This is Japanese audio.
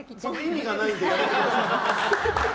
意味がないんでやめてください。